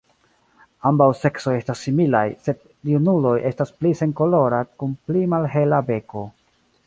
Ambaŭ seksoj estas similaj, sed junuloj estas pli senkolora kun pli malhela beko.